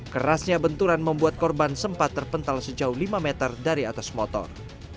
kerasnya benturan membuat korban sempat terpental sejauh lima meter dari atas motor